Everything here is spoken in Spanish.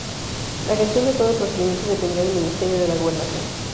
La gestión de todo el procedimiento dependía del Ministerio de la Gobernación.